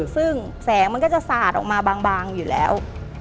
ซึ่งแสงมันก็จะสาดออกมาบางอยู่แล้ว